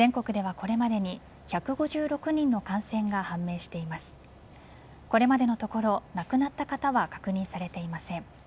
これまでのところ亡くなった方は確認されていません。